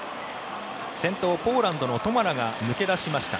先頭、ポーランドのトマラが抜け出しました。